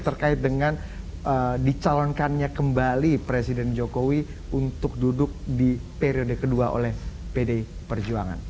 terkait dengan dicalonkannya kembali presiden jokowi untuk duduk di periode kedua oleh pdi perjuangan